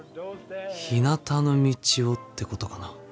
「ひなたの道を」ってことかな。